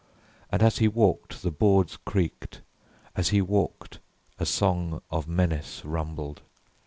And as he walked the boards creaked, as he walked A song of menace rumbled.